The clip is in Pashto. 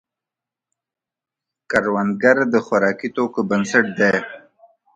کروندګر د خوراکي توکو بنسټ دی